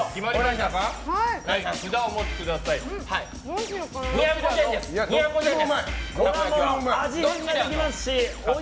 札をお持ちください。